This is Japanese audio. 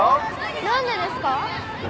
何でですか？